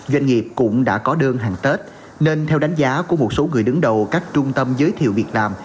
doanh nghiệp cũng đã có đơn hàng tết nên theo đánh giá của một số người đứng đầu các trung tâm giới thiệu việc làm